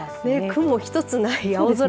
雲一つない青空。